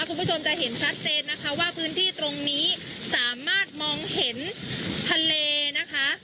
คุณผู้ชมจะเห็นชัดเจนนะคะว่าพื้นที่ตรงนี้สามารถมองเห็นทะเลนะคะ